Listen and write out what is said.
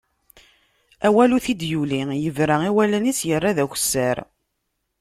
Awal ur t-id-yuli, yebra i wallen-is, yerra d akessar.